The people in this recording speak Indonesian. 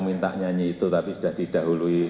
minta nyanyi itu tapi sudah didahului